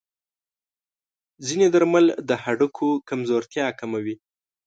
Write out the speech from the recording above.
ځینې درمل د هډوکو کمزورتیا کموي.